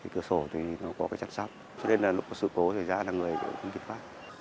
cơ sổ thì nó có cái chặt sắp cho nên là lúc có sự cố thì ra là người cũng bị phá